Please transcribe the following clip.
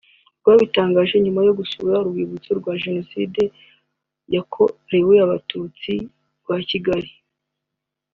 rwabitangaje nyuma yo gusura Urwibutso rwa Jenoside yakorewe abatutsi rwa Kigali